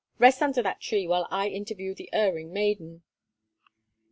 Rest under that tree while I interview the erring maiden."